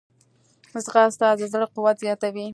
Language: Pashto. ځغاسته د زړه قوت زیاتوي